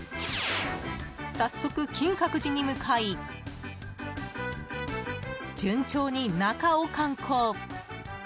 早速、金閣寺に向かい順調に中を観光。